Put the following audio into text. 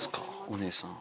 お姉さん。